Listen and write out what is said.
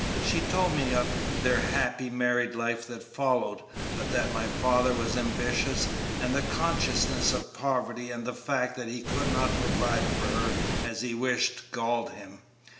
She told me of their happy married life that followed, but that my father was ambitious, and the consciousness of poverty and the fact that he could not provide for her as he wished galled him.